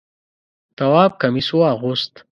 تواب کمیس واغوست.